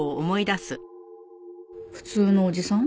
普通のおじさん。